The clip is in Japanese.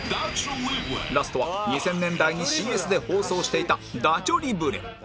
ラストは２０００年代に ＣＳ で放送していた『ダチョ・リブレ』